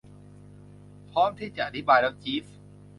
พร้อมที่จะอธิบายแล้ว จีฟ